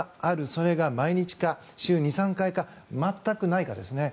それが毎日か、週２３回か全くないかですね。